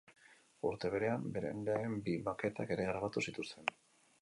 Urte berean beren lehen bi maketak ere grabatu zituzten.